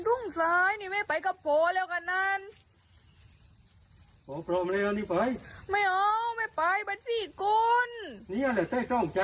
ตั้งนี้ก็ยังอยู่ห้องมายรักทุกคนแปลงได้เลยเดี๋ยวก็ไปเอารถลุงต่า